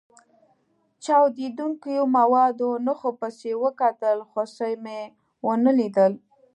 چاودېدونکو موادو نښو پسې وکتل، خو څه مې و نه لیدل.